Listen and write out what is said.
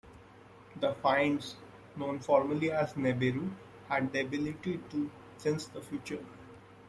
The Fiends, known formally as Neberu, had the ability to sense the future.